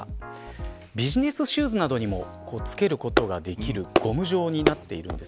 ビジネスシューズなどにも付けることができるゴム状になっているものです。